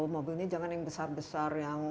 mobil ini jangan yang besar besar